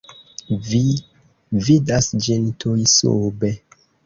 Vi vidas ĝin tuj sube.